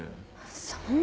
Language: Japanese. そんな。